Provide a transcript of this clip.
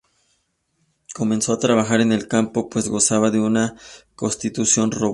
Comenzó a trabajar en el campo, pues gozaba de una constitución robusta.